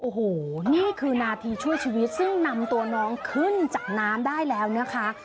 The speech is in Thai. โอ้โหนี่คือนาทีช่วยชีวิตซึ่งนำตัวน้องขึ้นจากน้ำได้แล้วนะคะ